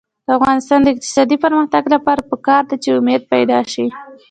د افغانستان د اقتصادي پرمختګ لپاره پکار ده چې امید پیدا شي.